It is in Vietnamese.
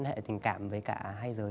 mới quan hệ tình cảm với cả hai giới